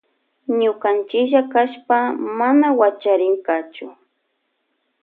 Ñukanchilla kashpaka mana wachariynkachu.